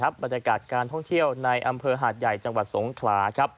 บรรยากาศการท่องเที่ยวในอำเภอหาดใหญ่จังหวัดสงขลาครับ